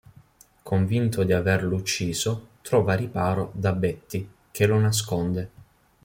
Convinto di averlo ucciso, trova riparo da Betty, che lo nasconde.